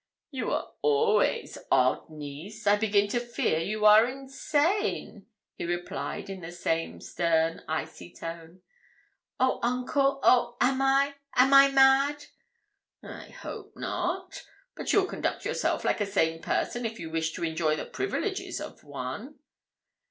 'You were always odd, niece; I begin to fear you are insane,' he replied, in the same stern icy tone. 'Oh, uncle oh! am I? Am I mad?' 'I hope not; but you'll conduct yourself like a sane person if you wish to enjoy the privileges of one.'